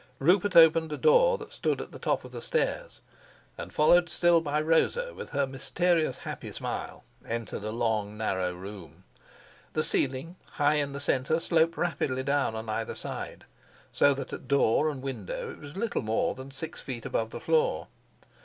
Rupert opened a door that stood at the top of the stairs, and, followed still by Rosa with her mysterious happy smile, entered a long narrow room. The ceiling, high in the centre, sloped rapidly down on either side, so that at door and window it was little more than six feet above the floor.